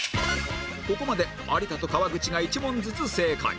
ここまで有田と川口が１問ずつ正解